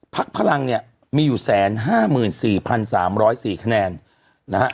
พลังเนี่ยมีอยู่๑๕๔๓๐๔คะแนนนะฮะ